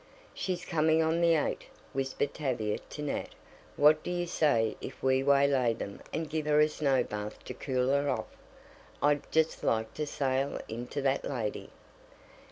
"She's coming on the eight," whispered Tavia to Nat. "What do you say if we waylay them and give her a snow bath to cool her off? I'd just like to sail into that lady."